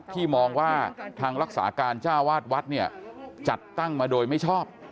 ที่มองว่าทางรักษาการจ้าวาดวัดเนี่ยจัดตั้งมาโดยไม่ชอบ